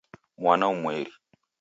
Mwana umweri